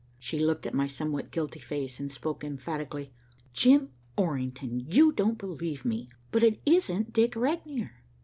She looked at my somewhat guilty face and spoke emphatically. "Jim Orrington, you don't believe me, but it isn't Dick Regnier."